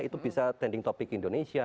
itu bisa trending topic indonesia